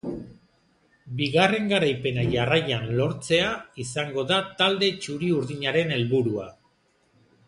Bigarren garaipena jarraian lortzea izango da talde txuri-urdinaren helburua.